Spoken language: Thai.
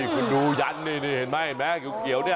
คนดูยันท์นี้เห็นต่อไม๊เนี่ยเกี่ยวเนี่ย